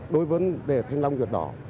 đối với vấn đề thanh long vượt đỏ